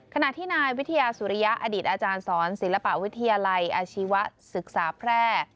ขณะที่นายวิทยาสุริยะอดีตอาจารย์สอนศิลปวิทยาลัยอาชีวศึกษาแพร่